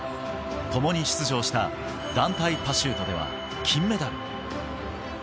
ともに出場した団体パシュートでは金メダル。